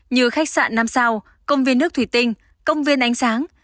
như khách sạn năm sao công viên nước thủy tinh công viên ánh sáng